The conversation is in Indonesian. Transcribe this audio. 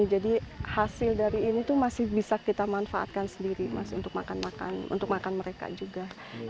jadi hasil dari ini tuh masih bisa kita manfaatkan sendiri mas untuk makan makan mereka juga